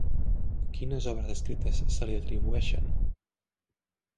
Quines obres escrites se li atribueixen?